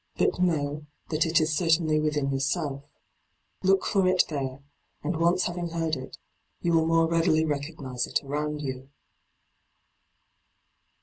But know that it is certainly within yourself. Look for it there, and once having heard it, you will more readily recognise it around you.